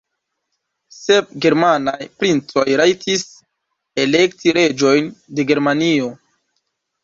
Sep germanaj princoj rajtis elekti reĝojn de Germanio.